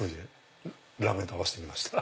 ラーメンと合わせてみました。